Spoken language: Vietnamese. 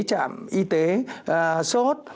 trạm y tế sốt